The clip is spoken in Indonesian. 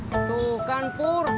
tuh kan pur